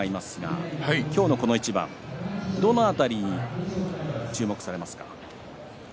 今日のこの一番どの辺りに注目されますか？